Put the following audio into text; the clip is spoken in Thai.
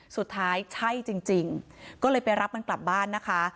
สุดท้ายใช่จริงก็เลยไปรับมันกลับบ้านนะคะ